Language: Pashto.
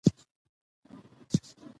طلا د افغانستان د پوهنې نصاب کې شامل دي.